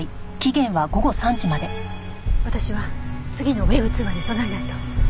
私は次のＷｅｂ通話に備えないと。